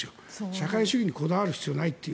社会主義にこだわる必要はないという。